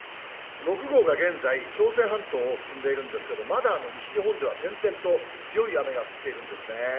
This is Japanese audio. ６号が現在、朝鮮半島を進んでいるんですけど、まだ西日本では点々と強い雨が降っているんですね。